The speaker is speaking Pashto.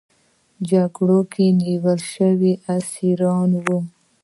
جګړو کې نیول شوي اسیران وو.